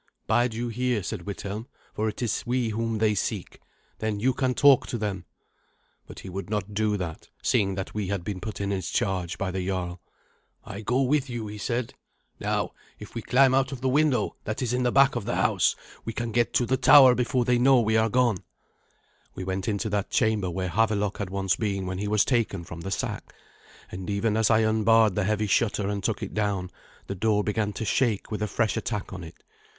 "Bide you here," said Withelm, "for it is we whom they seek. Then you can talk to them." But he would not do that, seeing that we had been put in his charge by the jarl. "I go with you," he said. "Now, if we climb out of the window that is in the back of the house we can get to the tower before they know we are gone." We went into that chamber where Havelok had once been when he was taken from the sack, and even as I unbarred the heavy shutter and took it down, the door began to shake with a fresh attack on it.